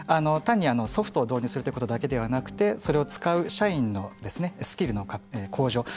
単にソフトを導入するということだけではなくてそれを使う社員のスキルの向上